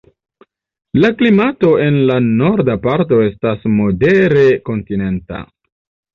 La klimato en la norda parto estas modere kontinenta.